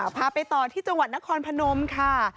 พาไปต่อที่จังหวัดนครพนมค่ะ